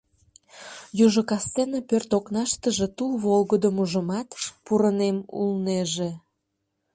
Южо кастене пӧрт окнаштыже тул волгыдым ужамат, пурынем улнеже.